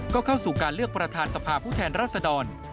ก็เข้าสู่การเลือกประธานสภาผู้แทนรัศดร